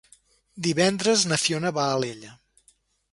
Divendres na Fiona va a Alella.